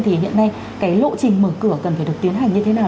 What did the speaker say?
thì hiện nay cái lộ trình mở cửa cần phải được tiến hành như thế nào